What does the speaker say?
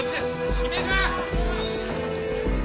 姫島！